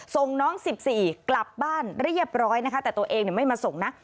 ส่งน้อง๑๔กลับบ้านเรียบร้อยนะคะแต่ตัวเองไม่มาส่งนะ